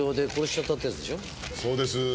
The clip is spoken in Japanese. そうです。